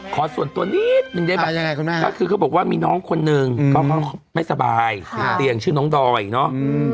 ขอส่วนตัวนี้คือเขาบอกว่ามีน้องคนหนึ่งก็ไม่สบายเปลี่ยนชื่อน้องดอยเนอะ